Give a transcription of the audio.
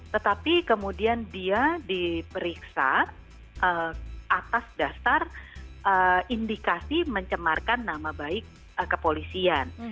tetapi kemudian dia diperiksa atas dasar indikasi mencemarkan nama baik kepolisian